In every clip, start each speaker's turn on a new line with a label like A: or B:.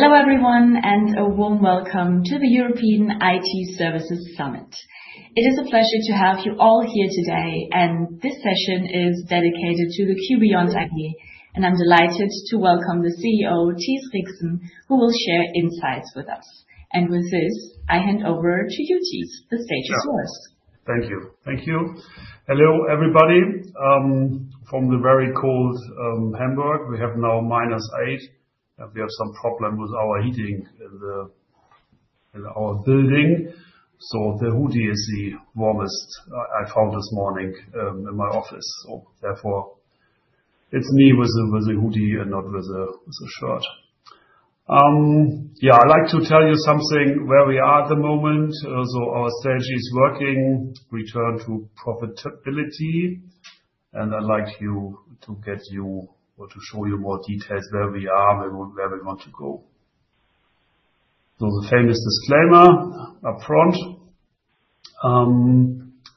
A: Hello everyone and a warm welcome to the European IT Services Summit. It is a pleasure to have you all here today, and this session is dedicated to the q.beyond AG, and I'm delighted to welcome the CEO Thies Rixen, who will share insights with us. With this, I hand over to you, Thies, the stage is yours.
B: Sure. Thank you. Thank you. Hello everybody, from the very cold, Hamburg. We have now minus 8 degrees Celsius, and we have some problem with our heating in our building, so the hoodie is the warmest I found this morning, in my office. So therefore, it's me with a hoodie and not with a shirt. Yeah, I'd like to tell you something where we are at the moment. So our strategy is working, return to profitability, and I'd like you to get you or to show you more details where we are and where we want to go. So the famous disclaimer upfront.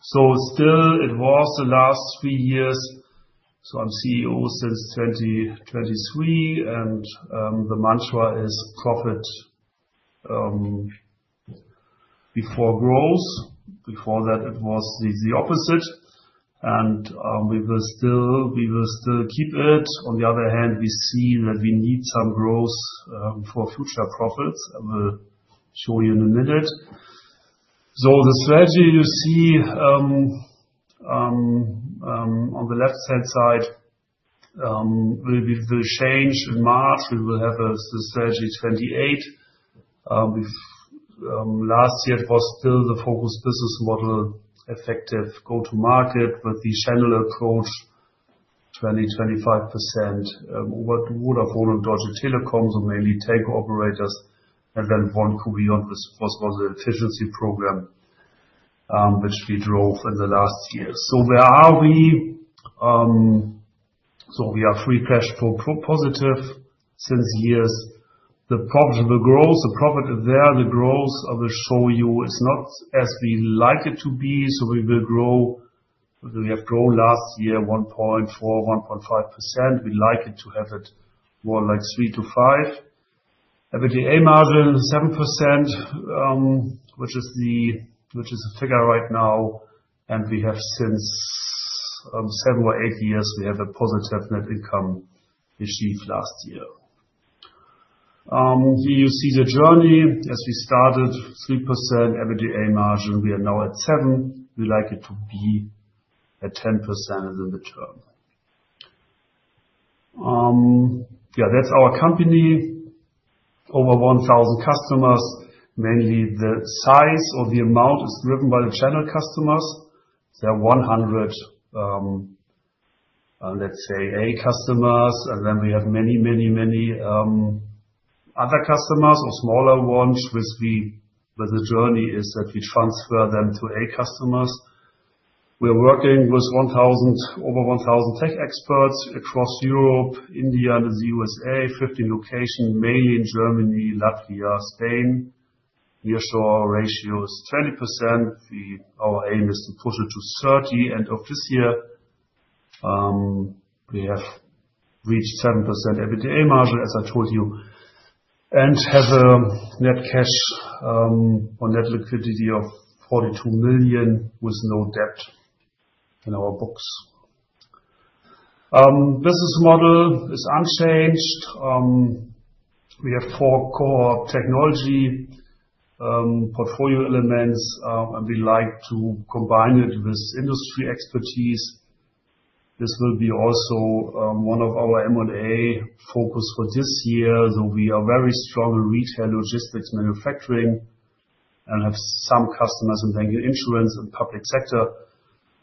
B: So still it was the last three years, so I'm CEO since 2023, and the mantra is profit, before growth. Before that, it was the opposite, and we will still keep it. On the other hand, we see that we need some growth for future profits. I will show you in a minute. So the strategy you see on the left-hand side will change in March. We will have a strategy 2028. Before, last year it was still the focused business model effective go-to-market with the channel approach 20-25% over to Vodafone and Deutsche Telekom, or mainly telco operators, and then One q.beyond was an efficiency program, which we drove in the last year. So where are we? We are free cash flow positive since years. The profitable growth, the profit there, the growth I will show you is not as we like it to be, so we will grow. We have grown last year 1.4-1.5%. We like it to have it more like 3%-5%. EBITDA margin 7%, which is a figure right now, and we have since 7 or 8 years we have a positive net income achieved last year. Here you see the journey as we started 3% EBITDA margin. We are now at 7%. We like it to be at 10% in the term. Yeah, that's our company. Over 1,000 customers, mainly the size or the amount is driven by the channel customers. There are 100, let's say A customers, and then we have many, many, many other customers or smaller ones with the journey is that we transfer them to A customers. We are working with over 1,000 tech experts across Europe, India, and the USA, 15 locations, mainly in Germany, Latvia, Spain. Nearshore ratio is 20%. Our aim is to push it to 30% end of this year. We have reached 7% EBITDA margin, as I told you, and have a net cash, or net liquidity of 42 million with no debt in our books. Business model is unchanged. We have four core technology portfolio elements, and we like to combine it with industry expertise. This will be also, one of our M&A focus for this year, though we are very strong in retail, logistics, manufacturing, and have some customers in banking, insurance and public sector,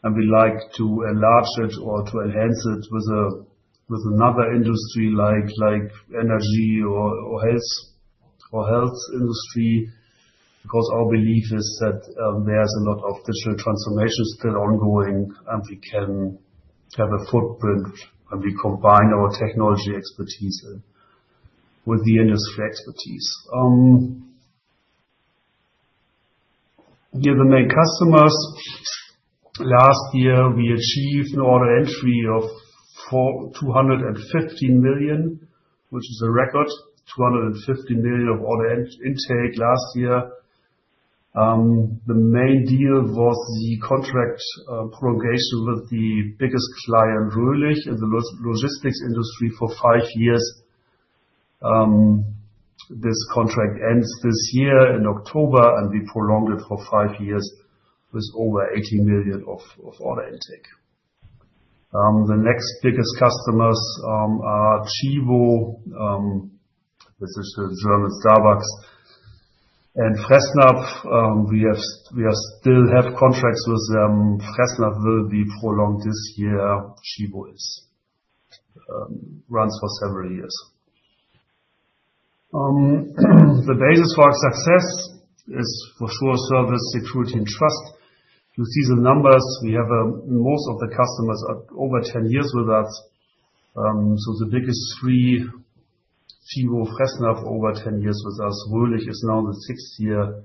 B: and we like to enlarge it or to enhance it with a with another industry like like energy or or health or health industry because our belief is that, there's a lot of digital transformation still ongoing, and we can have a footprint when we combine our technology expertise with the industry expertise. Yeah, the main customers last year we achieved an order entry of 421.5 million, which is a record, 250 million of order intake last year. The main deal was the contract prolongation with the biggest client, Rhenus, in the logistics industry for 5 years. This contract ends this year in October, and we prolonged it for 5 years with over 80 million of order intake. The next biggest customers are Tchibo, this is the German Starbucks. And Fressnapf, we still have contracts with them. Fressnapf will be prolonged this year. Tchibo runs for several years. The basis for success is for sure service, security, and trust. You see the numbers. We have most of the customers over 10 years with us. So the biggest three, Tchibo, Fressnapf, over 10 years with us, Rhenus is now the sixth year.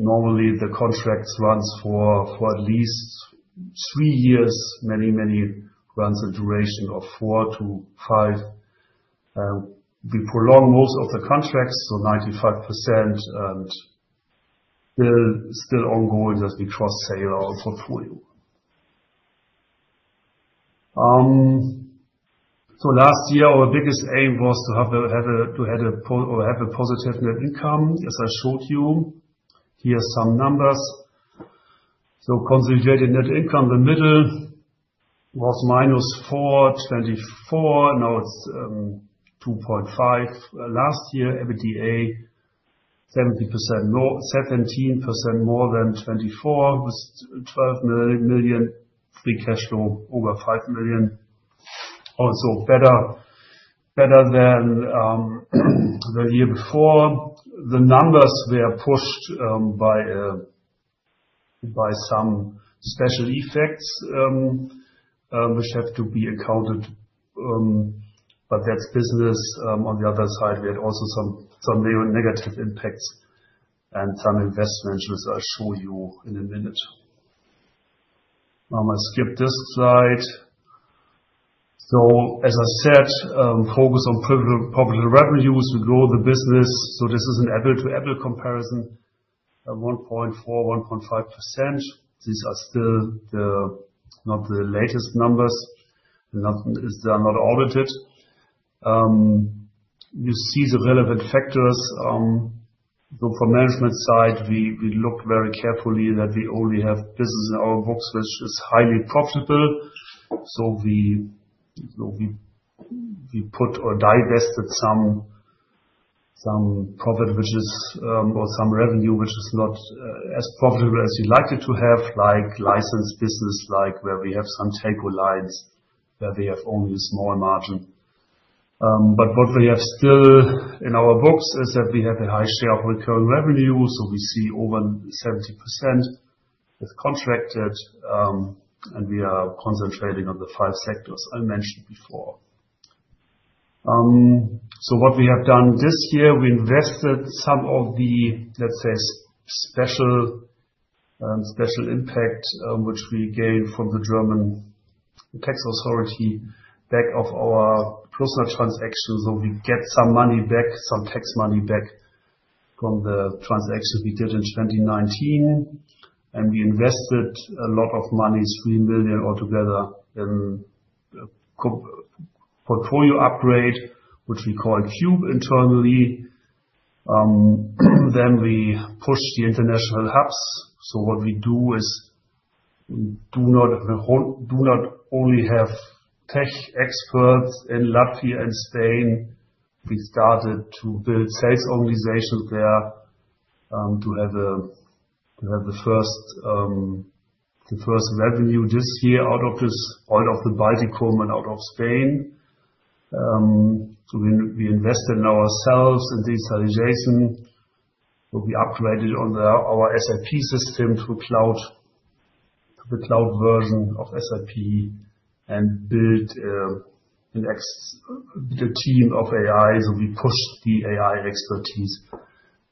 B: Normally the contracts runs for at least 3 years, many run a duration of 4-5. We prolong most of the contracts, so 95% and still ongoing as we cross-sell our portfolio. So last year our biggest aim was to have a positive net income, as I showed you. Here are some numbers. So consolidated net income, the middle, was -424. Now it's 2.5 last year EBITDA 70% more 17% more than 2024 with 12 million free cash flow over 5 million. Also better. Better than the year before. The numbers were pushed by some special effects, which have to be accounted for, but that's business. On the other side, we had also some negative impacts and some investments, as I show you in a minute. Now I skip this slide. So as I said, focus on privileged profitable revenues. We grow the business, so this is an apples-to-apples comparison. At 1.4%-1.5%, these are still not the latest numbers and they are not audited. You see the relevant factors, though for management side we looked very carefully that we only have business in our books, which is highly profitable. So we though we put or divested some. Some profit, which is, or some revenue, which is not as profitable as you like it to have, like licensed business, like where we have some telco lines where they have only a small margin. But what we have still in our books is that we have a high share of recurring revenue, so we see over 70% is contracted, and we are concentrating on the five sectors I mentioned before. So what we have done this year, we invested some of the, let's say, special impact, which we gained from the German tax authority back from our Plusnet transaction, so we get some money back, some tax money back from the transaction we did in 2019, and we invested a lot of money, 3 million altogether in portfolio upgrade, which we call Qube internally. Then we pushed the international hubs, so what we do is do not only have tech experts in Latvia and Spain. We started to build sales organizations there to have the first revenue this year out of the Baltics and out of Spain, so we invested in ourselves in this adjacent. So we upgraded our SAP system to cloud. The cloud version of SAP and built an expert team of AI, so we pushed the AI expertise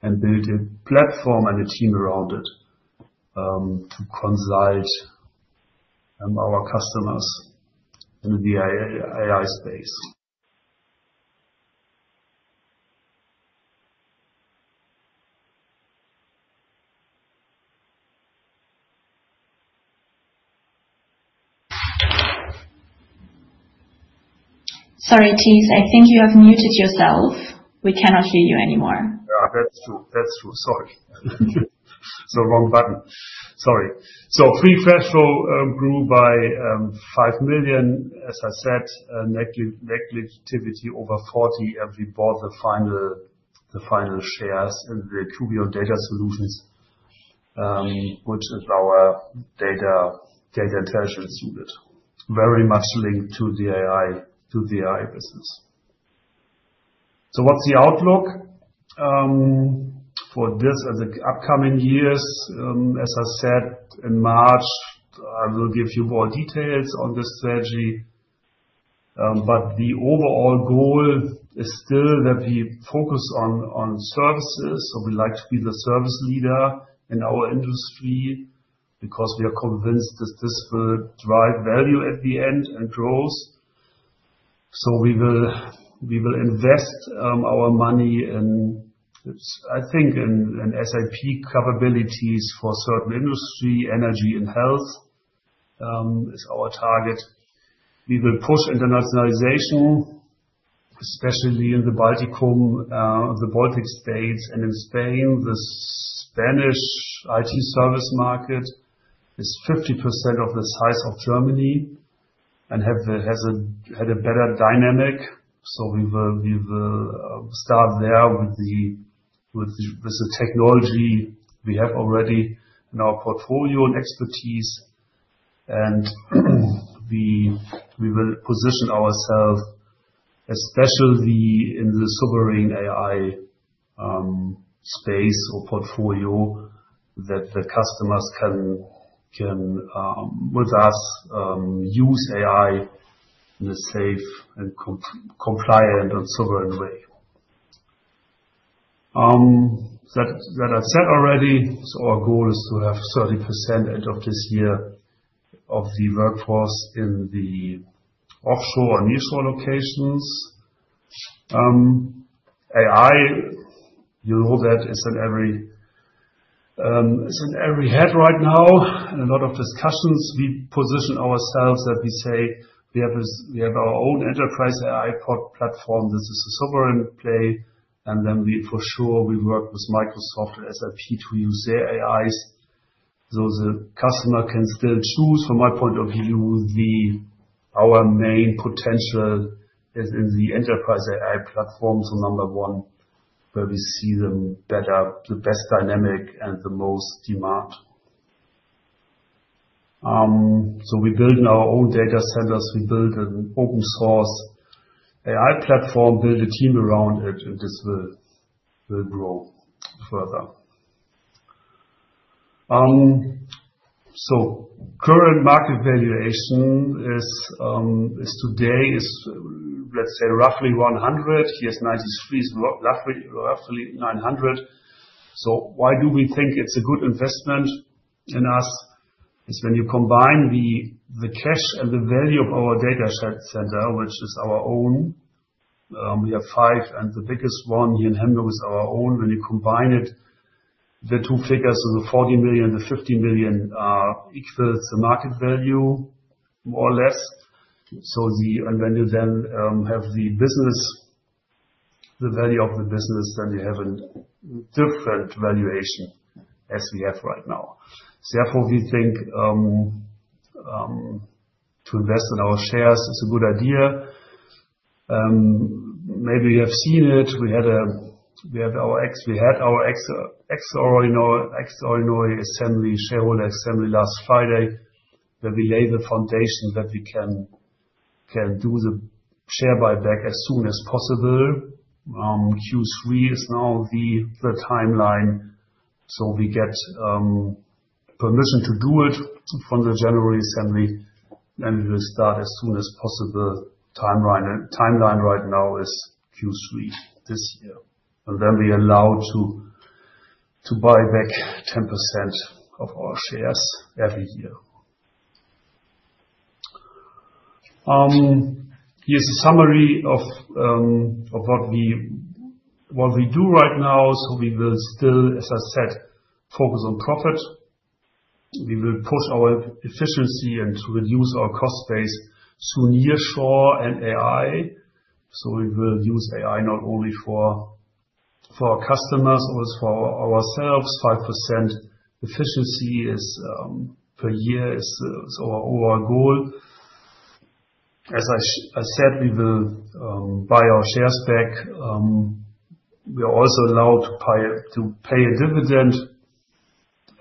B: and built a platform and a team around it to consult our customers in the AI space.
A: Sorry, Thies, I think you have muted yourself. We cannot hear you anymore.
B: Yeah, that's true. That's true. Sorry. So wrong button. Sorry. So free cash flow grew by 5 million, as I said, negative investing activity over 40 million and we bought the final shares in the q.beyond Data Solutions, which is our data intelligence unit, very much linked to the AI business. So what's the outlook? For this and the upcoming years, as I said in March, I will give you more details on this strategy. But the overall goal is still that we focus on services, so we like to be the service leader in our industry because we are convinced that this will drive value at the end and growth. So we will invest our money in it, I think, in SAP capabilities for certain industries, energy and health, is our target. We will push internationalization. Especially in the Baltics, the Baltic States and in Spain, the Spanish IT service market is 50% of the size of Germany and has had a better dynamic, so we will start there with the technology we have already in our portfolio and expertise. We will position ourselves especially in the sovereign AI space or portfolio that the customers can, with us, use AI in a safe and compliant and sovereign way. That I said already, so our goal is to have 30% end of this year of the workforce in the offshore or nearshore locations. AI, you know that is everywhere right now and a lot of discussions. We position ourselves that we say we have our own enterprise AI platform. This is a sovereign play, and then for sure we work with Microsoft and SAP to use their AIs. So the customer can still choose from my point of view, our main potential is in the enterprise AI platform, so number one where we see the best dynamic and the most demand. So we build in our own data centers. We build an open source AI platform, build a team around it, and this will grow further. So current market valuation is today, let's say, roughly 100. H1 2023 is roughly 900. So why do we think it's a good investment in us is when you combine the cash and the value of our data center, which is our own. We have five and the biggest one here in Hamburg is our own. When you combine it. The two figures, so the 40 million and the 50 million, equal the market value more or less. So then, when you have the business, the value of the business, then you have a different valuation as we have right now. Therefore, we think to invest in our shares is a good idea. Maybe you have seen it. We had our extraordinary shareholder assembly last Friday where we lay the foundation that we can do the share buyback as soon as possible. Q3 is now the timeline, so we get permission to do it from the January assembly and we will start as soon as possible. The timeline right now is Q3 this year, and then we are allowed to buy back 10% of our shares every year. Here's a summary of what we do right now, so we will still, as I said, focus on profit. We will push our efficiency and to reduce our cost base soon nearshore and AI, so we will use AI not only for our customers or for ourselves, 5% efficiency per year is our overall goal. As I said, we will buy our shares back. We are also allowed to pay a dividend.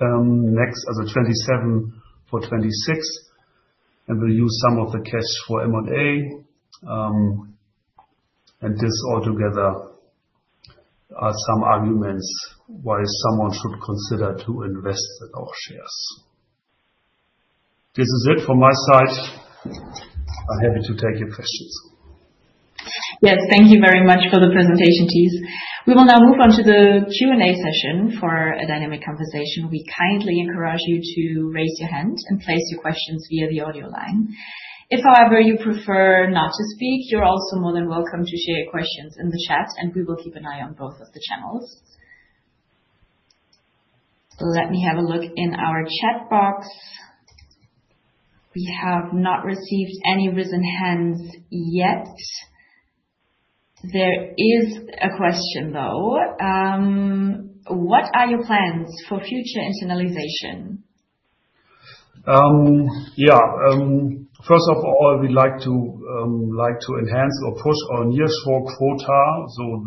B: Next as a 2027 for 2026. And we'll use some of the cash for M&A. And this altogether are some arguments why someone should consider to invest in our shares? This is it from my side. I'm happy to take your questions.
A: Yes, thank you very much for the presentation, Thies. We will now move on to the Q&A session for a dynamic conversation. We kindly encourage you to raise your hand and place your questions via the audio line. If, however, you prefer not to speak, you're also more than welcome to share your questions in the chat, and we will keep an eye on both of the channels. Let me have a look in our chat box. We have not received any raised hands yet. There is a question, though. What are your plans for future internationalization?
B: Yeah, first of all, we'd like to enhance or push our nearshore quota, so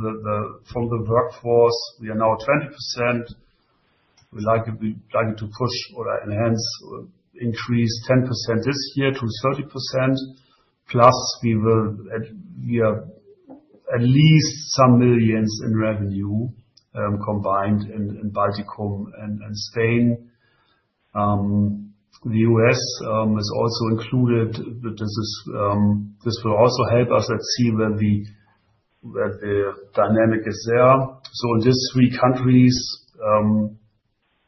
B: from the workforce we are now 20%. We'd like it to push or enhance or increase 10% this year to 30%. Plus we will at least some millions in revenue, combined in the Baltics, India and Spain. The US is also included, but this will also help us overseas where the dynamic is there. So in these three countries,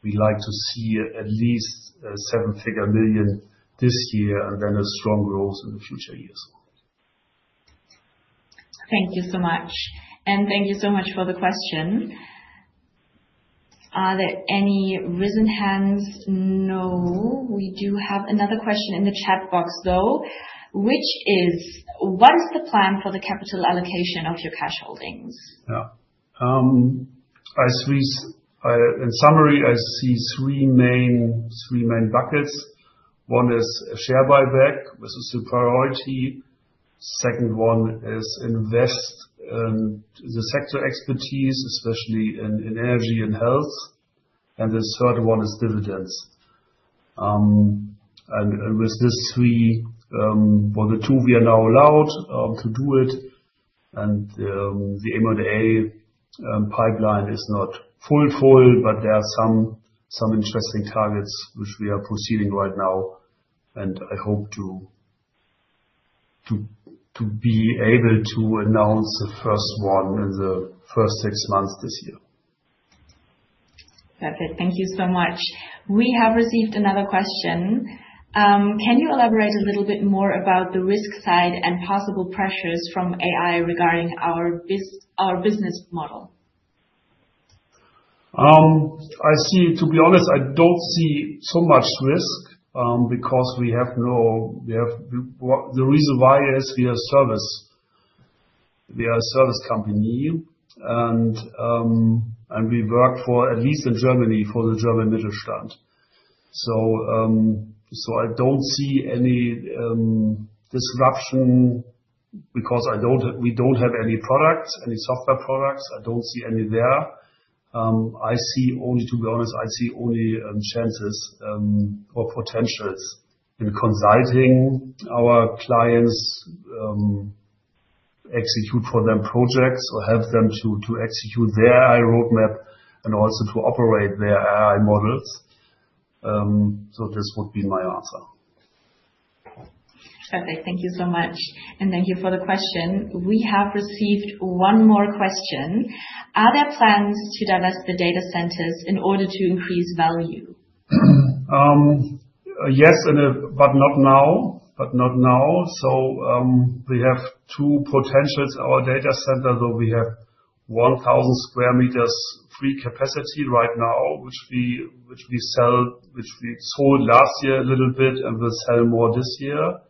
B: we like to see at least a 7-figure million this year and then a strong growth in the future years.
A: Thank you so much, and thank you so much for the question. Are there any raised hands? No, we do have another question in the chat box, though, which is what is the plan for the capital allocation of your cash holdings?
B: Yeah, I see. In summary, I see three main buckets. One is a share buyback. This is a priority. Second one is invest in the sector expertise, especially in energy and health, and the third one is dividends. And with these three, the two we are now allowed to do it and the M&A pipeline is not full, but there are some interesting targets, which we are proceeding right now, and I hope to be able to announce the first one in the first six months this year.
A: Perfect. Thank you so much. We have received another question. Can you elaborate a little bit more about the risk side and possible pressures from AI regarding our business model?
B: To be honest, I don't see so much risk, because we have the reason why is we are a service company and we work for at least in Germany for the German Mittelstand. So I don't see any disruption because we don't have any products, any software products. I don't see any there. I see only, to be honest, chances or potentials in consulting our clients, executing for them projects or helping them to execute their AI roadmap and also to operate their AI models. So this would be my answer.
A: Perfect. Thank you so much, and thank you for the question. We have received one more question. Are there plans to divest the data centers in order to increase value?
B: Yes, in a bit, but not now, but not now. So, we have two potentials in our data center, though we have 1,000 square meters free capacity right now, which we sell, which we sold last year a little bit and will sell more this year.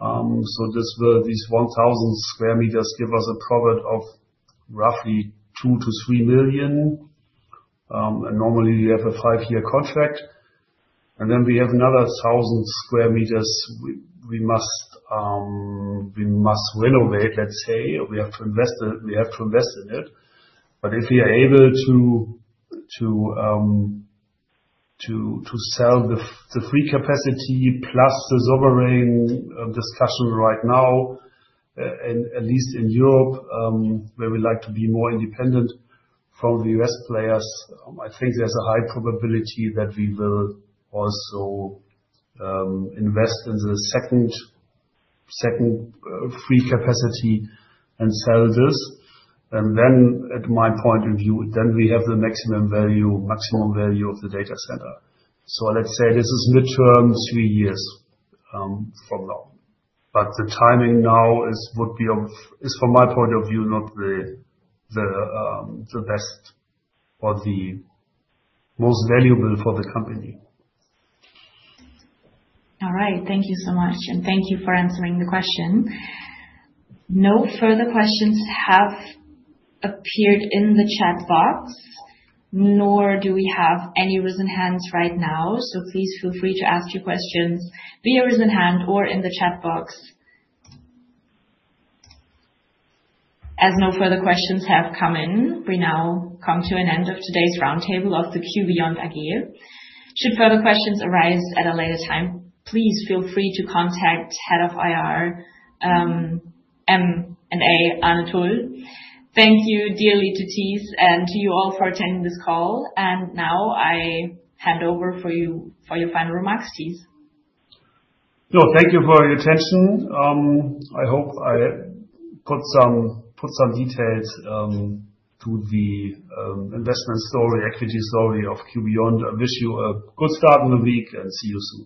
B: So this will, these 1,000 square meters, give us a profit of roughly 2 million-3 million. And normally we have a 5-year contract. And then we have another 1,000 square meters. We must renovate; let's say we have to invest it. We have to invest in it, but if we are able to sell the free capacity plus the sovereign discussion right now, and at least in Europe, where we like to be more independent from the U.S. players, I think there's a high probability that we will also invest in the second free capacity and sell this. And then at my point of view, then we have the maximum value of the data center. So let's say this is midterm three years from now, but the timing now would be from my point of view not the best or the most valuable for the company.
A: All right. Thank you so much, and thank you for answering the question. No further questions have appeared in the chat box, nor do we have any raised hands right now, so please feel free to ask your questions via raised hand or in the chat box. As no further questions have come in, we now come to an end of today's roundtable of the q.beyond AG. Should further questions arise at a later time, please feel free to contact Head of IR, M&A Arne Thull. Thank you dearly to Thies and to you all for attending this call, and now I hand over to you for your final remarks, Thies.
B: No, thank you for your attention. I hope I put some details to the investment story, equity story of q.beyond. I wish you a good start in the week and see you soon.